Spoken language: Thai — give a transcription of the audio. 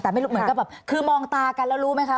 แต่ไม่รู้เหมือนกับแบบคือมองตากันแล้วรู้ไหมคะ